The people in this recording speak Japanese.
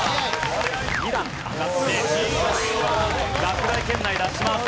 ２段上がって落第圏内脱します。